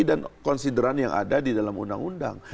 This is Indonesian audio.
dan konsideran yang ada di dalam undang undang